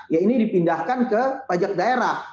ya ini dipindahkan ke pajak daerah